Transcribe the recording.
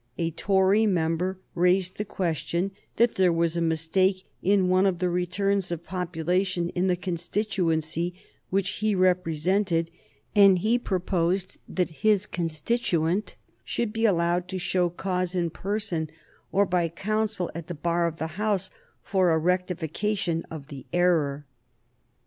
A Tory member raised the question that there was a mistake in one of the returns of population in the constituency which he represented, and he proposed that his constituent should be allowed to show cause in person or by counsel at the bar of the House for a rectification of the error.